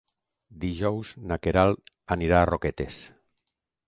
Dijous na Queralt anirà a Roquetes.